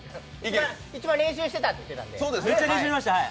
一番練習してたって言ってたんで。